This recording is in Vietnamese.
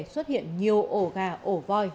xuất hiện nhiều ổ gà ổ voi